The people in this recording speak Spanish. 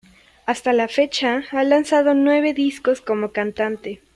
Hasta la fecha ha lanzado nueve discos como cantante.